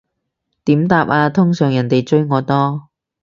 點答啊，通常人哋追我多